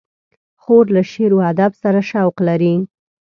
خور له شعر و ادب سره شوق لري.